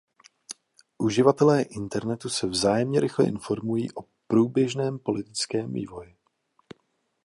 Uživatelé internetu se vzájemně rychle informují o průběžném politickém vývoji.